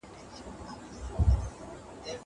زه خبري کړې دي!